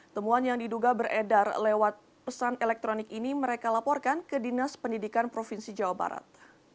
temuan yang diduga beredar lewat pesan elektronik ini mereka laporkan ke dinas pendidikan provinsi jawa barat